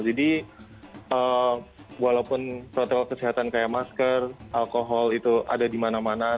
jadi walaupun protokol kesehatan kayak masker alkohol itu ada di mana mana